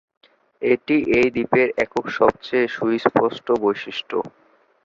এটি এই দ্বীপের একক সবচেয়ে সুস্পষ্ট বৈশিষ্ট্য।